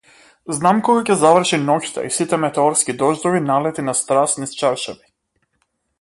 Знам кога ќе заврши ноќта и сите метеорски дождови налети на страст низ чаршафи.